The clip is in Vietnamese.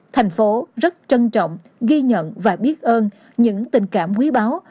thành phố rất trân trọng ghi nhận và biết ơn những tình cảm quý báo